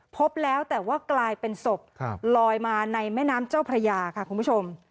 พบแล้วแต่ว่ากลายเป็นศพลอยมาในแม่น้ำเจ้าพระยาค่ะคุณผู้ชม